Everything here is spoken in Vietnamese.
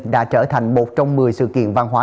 đã trở thành một trong một mươi sự kiện văn hóa